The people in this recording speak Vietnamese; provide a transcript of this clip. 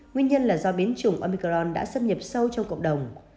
nguyên nhân là do biến chủng omicron đã xâm nhập sâu trong cộng đồng